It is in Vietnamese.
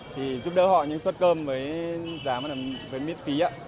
thì giúp đỡ họ những suất cơm với giá miễn phí